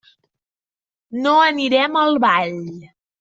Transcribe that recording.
No anirem al ball.